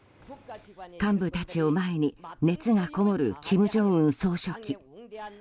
幹部たちを前に熱がこもる金正恩総書記。